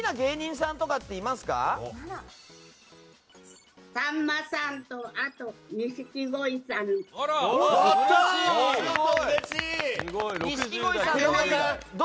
さんまさんと錦鯉さん。